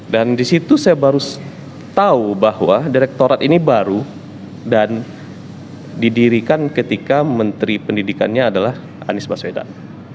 dan disitu saya baru tahu bahwa direktorat ini baru dan didirikan ketika menteri pendidikannya adalah anies baswedan